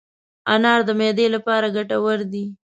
انار د معدې لپاره ګټور دی.